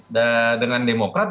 dan dengan demokrasi